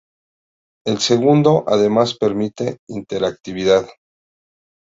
El segundo, además, permite interactividad.